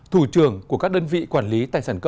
thủ trưởng của các đơn vị quản lý